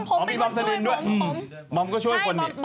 ผมเป็นคนช่วย